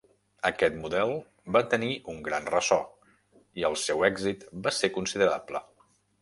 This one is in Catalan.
Aquest model va tenir un gran ressò, i el seu èxit va ser considerable.